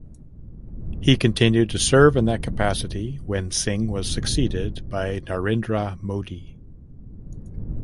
He continued to serve in that capacity when Singh was succeeded by Narendra Modi.